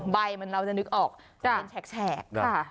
ใบเหมือนเราจะนึกออกจะเป็นแฉกค่ะ